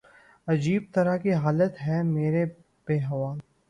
عجیب طرح کی حالت ہے میری بے احوال